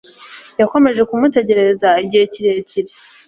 Yakomeje kumutegereza igihe kirekire.